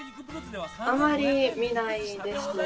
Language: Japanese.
あまり見ないですね。